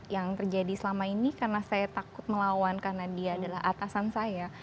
yang terjadi selama ini karena saya takut melawan karena dia adalah atasan saya